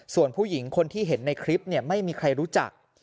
ส่วนผู้หญิงคนที่เห็นในคลิปไม่มีใครรู้จัก